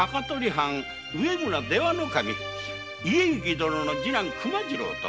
藩植村出羽守家敬殿の次男熊次郎と西条藩